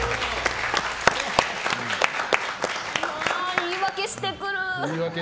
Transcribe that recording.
言い訳してくる！